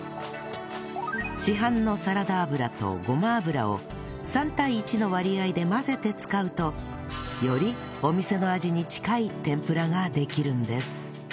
市販のサラダ油とごま油を３対１の割合で混ぜて使うとよりお店の味に近い天ぷらができるんです